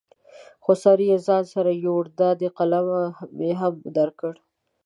خو سر یې ځان سره یوړ، دا دی قلم مې هم درکړ.